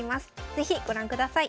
是非ご覧ください。